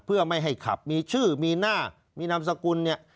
เพื่อไม่ให้ขับมีชื่อมีหน้ามีนามสกุลเนี่ย